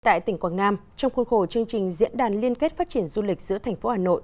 tại tỉnh quảng nam trong khuôn khổ chương trình diễn đàn liên kết phát triển du lịch giữa thành phố hà nội